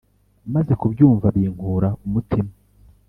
maze kubyumva binkura umutima